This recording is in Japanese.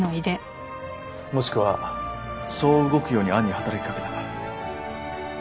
もしくはそう動くように暗に働き掛けた。